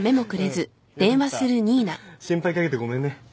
心配かけてごめんね。